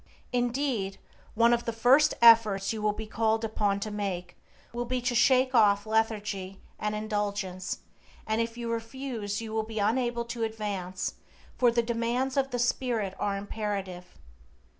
Indeed, one of the first efforts you will be called upon to make will be to shake off lethargy and indulgence, and if you refuse you will be unable to advance, for the demands of the spirit are imperative.